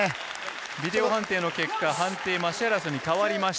ビデオ判定の結果、判定、マシアラスに変わりました。